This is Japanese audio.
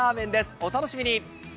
お楽しみに。